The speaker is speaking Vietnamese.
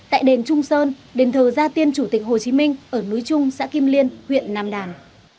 tại đền trung sơn đền thờ gia tiên chủ tịch hồ chí minh ở núi trung xã kim liên huyện nam đàn